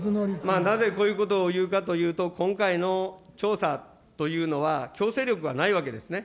なぜこういうことを言うかというと、今回の調査というのは、強制力がないわけですね。